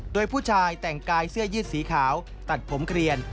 โดยผู้ชายแต่งกายเสื้อยืดสีขาวตัดผมเกลียน